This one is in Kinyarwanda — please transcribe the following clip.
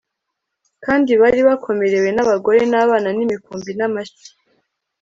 kandi bari bakomerewe n'abagore n'abana n'imikumbi n'amashyo